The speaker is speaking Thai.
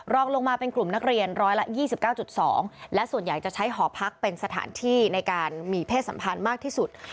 รองลงมาเป็นกลุ่มนักเรียน๑๒๙๒และส่วนใหญ่จะใช้หอพักเป็นสถานที่ในการมีเพศสัมพันธ์มากที่สุด